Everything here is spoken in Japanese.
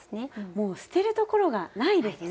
もう捨てるところがないですね。